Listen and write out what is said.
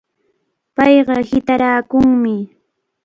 Payqa hitaraakunmi.